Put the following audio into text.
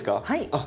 はい。